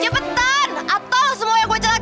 cepetan atau semua yang gue celakain